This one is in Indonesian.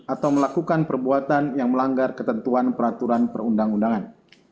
atau melakukan perbuatan yang melanggar ketentuan peraturan perundang undangan